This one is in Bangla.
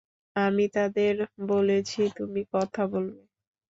আমি তাদের বলেছি, তুমি কথা বলবে।